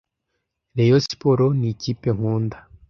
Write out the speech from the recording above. rayon siporo ni kipe nkunda